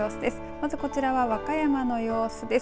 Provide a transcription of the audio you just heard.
まずこちらは和歌山の様子です。